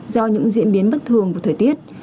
do những diễn biến bất thường của thời tiết